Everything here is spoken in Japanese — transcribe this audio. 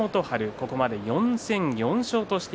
ここまで４戦４勝です。